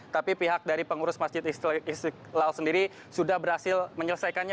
tapi pihak dari pengurus masjid istiqlal sendiri sudah berhasil menyelesaikannya